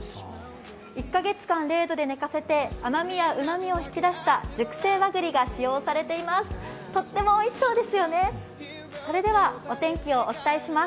１カ月間０度で寝かせて、甘みやうまみを引き出した熟成和栗が使用されています。